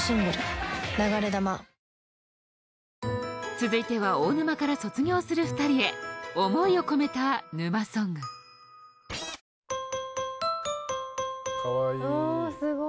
続いては大沼から卒業する２人へ思いを込めた沼ソングかわいい。